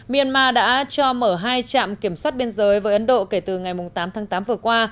myanmar đã cho mở hai trạm kiểm soát biên giới với ấn độ kể từ ngày tám tháng tám vừa qua